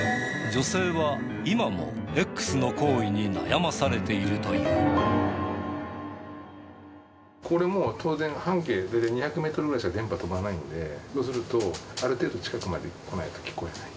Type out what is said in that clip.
女性は今もＸの行為に悩まさこれも当然、半径２００メートルぐらいしか電波が飛ばないので、そうすると、ある程度近くまで来ないと聞こえない。